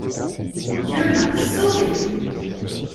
Dieu m'a sauvée!